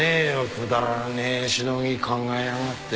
くだらねえシノギ考えやがって。